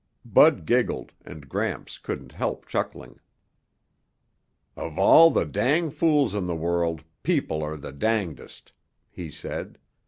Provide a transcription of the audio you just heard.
Bud giggled and Gramps couldn't help chuckling. "Of all the dang fools in the world, people are the dangdest," he said.